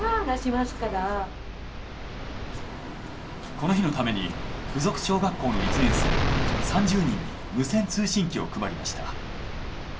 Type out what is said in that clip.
この日のために附属小学校の１年生３０人に無線通信機を配りました。